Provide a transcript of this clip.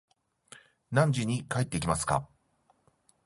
何時に帰ってきますか